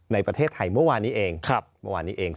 ในประเทศไทยเมื่อวานนี้เอง